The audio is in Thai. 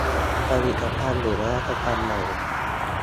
ผลิตภัณฑ์หรือนวัตกรรมใหม่